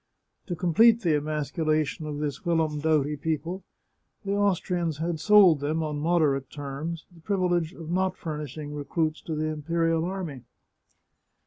To complete the emasculation of this whilom doughty people, the Austrian had sold them, on moderate terms, the privilege of not furnishing recruits to the imperial army.